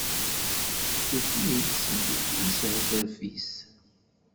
Tuki-d seg ushetref-is.